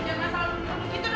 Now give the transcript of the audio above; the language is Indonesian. jangan masalah lu